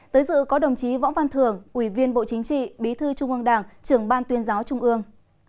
tới dự có đồng chí võ văn thưởng ủy viên bộ chính trị bí thư trung ương đảng trưởng ban tuyên giáo trung ương